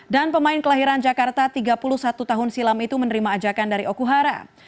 dan pemain kelahiran jakarta tiga puluh satu tahun silam itu menerima ajakan dari okuhara